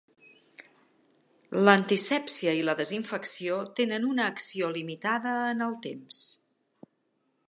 L'antisèpsia i la desinfecció tenen una acció limitada en el temps.